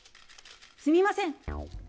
すみません。